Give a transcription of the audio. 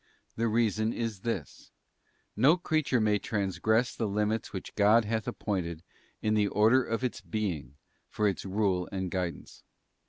The reason is this—no creature may transgress the limits which God hath appointed in the order of its being for its rule and guidance.